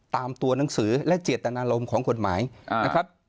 ตามตัวหนังสือและเจตนารมณ์ของกฎหมายนะครับ